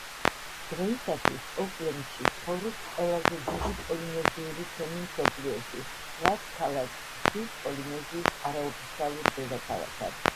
დღეისათვის ოკლენდში ცხოვრობს ყველაზე დიდი პოლინეზიური თემი მსოფლიოში, რაც ქალაქს ხდის პოლინეზიის არაოფიციალურ დედაქალაქად.